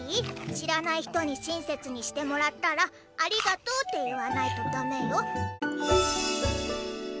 しらない人にしんせつにしてもらったら「ありがとう」って言わないとだめよ。